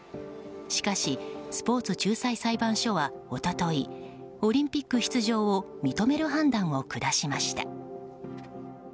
しかしスポーツ仲裁裁判所は、一昨日オリンピック出場を認める判断を下しました。